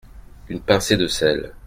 Une pincée de sel.